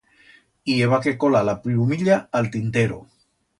I heba que colar la pllumilla a'l tintero.